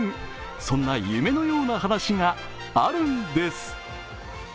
そんな夢のような話があるんです。